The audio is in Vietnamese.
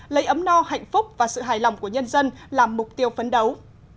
lấy ấm no hạnh phúc và sự hài lòng của nhân dân là mục tiêu phấn đấu